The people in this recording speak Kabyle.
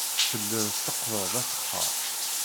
Telliḍ tetteqqdeḍ afexxar.